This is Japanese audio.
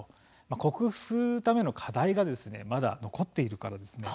克服するための課題がまだ残っているからですね。